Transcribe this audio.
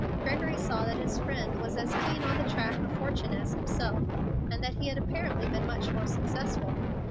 Gregory saw that his friend was as keen on the track of fortune as himself, and that he had apparently been much more successful.